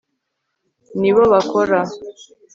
Ni bo bakora